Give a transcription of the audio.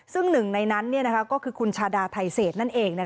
ซึ่งหนึ่งในนั้นก็คือคุณชาดาไทเศษนั่นเอง